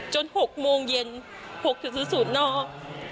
จน๖โมงเย็น๖ถึงสุดนอก